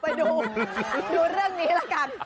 ไปดูดูเรื่องนี้ละกัน